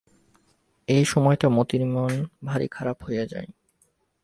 এ সময়টা মতির মন ভারি খারাপ হইয়া যায়।